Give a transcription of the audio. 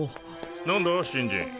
何だ新人。